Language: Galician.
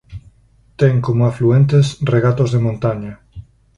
Ten como afluentes regatos de montaña.